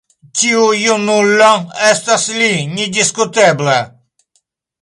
Tiu junulo estas li nediskuteble.